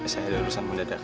saya ada urusan pundak pundak